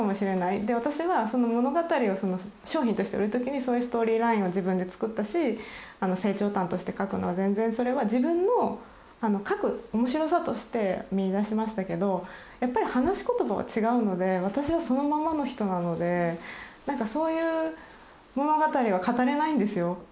で私はその物語を商品として売るときにそういうストーリーラインを自分で作ったし成長譚として書くのは全然それは自分の書く面白さとして見いだしましたけどやっぱり話し言葉は違うので私はそのままの人なのでそういう物語は語れないんですよ。